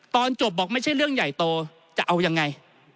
ตอนจบบอกไม่ใช่เรื่องใหญ่โตจะเอายังไง